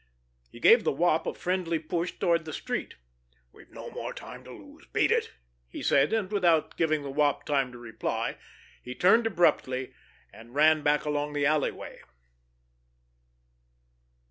He gave the Wop a friendly push toward the street. "We've no more time to lose. Beat it!" he said, and without giving the Wop time to reply, he turned abruptly, and ran back along the alleyway.